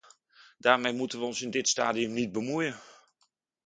Daarmee moeten we ons in dit stadium niet bemoeien.